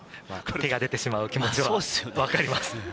手が出てしまう気持ちはわかります。